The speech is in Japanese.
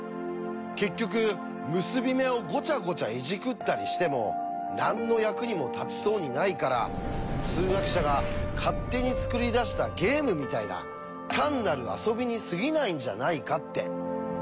結局結び目をごちゃごちゃいじくったりしても何の役にも立ちそうにないから数学者が勝手に作り出したゲームみたいな単なる遊びにすぎないんじゃないかって。